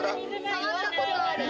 触ったことある！